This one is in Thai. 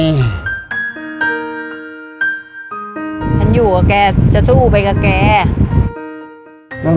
ฉันอยู่กับแกจะสู้ไปกับแก